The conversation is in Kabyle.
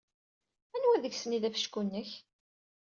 Anwa deg-sen ay d afecku-nnek?